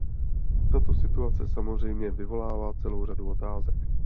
Tato situace samozřejmě vyvolává celou řadu otázek.